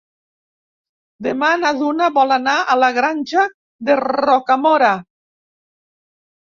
Demà na Duna vol anar a la Granja de Rocamora.